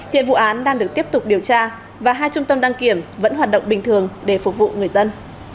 hiện vụ án đang được tiếp tục điều tra và hai trung tâm đăng kiểm vẫn hoạt động bình thường để phục vụ người dân